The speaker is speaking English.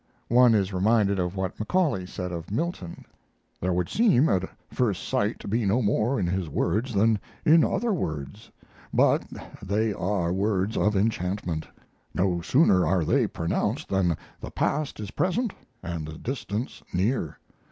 One is reminded of what Macaulay said of Milton: "There would seem at first sight to be no more in his words than in other words. But they are words of enchantment. No sooner are they pronounced than the past is present and the distance near.